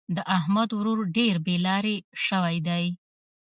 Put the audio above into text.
د احمد ورور ډېر بې لارې شوی دی.